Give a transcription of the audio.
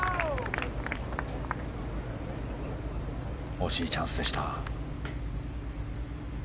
惜しいチャンスでした。